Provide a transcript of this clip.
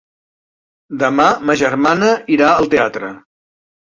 Demà ma germana irà al teatre.